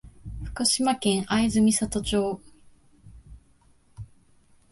福島県会津美里町